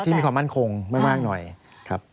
มีความมั่นคงไม่มากหน่อยครับ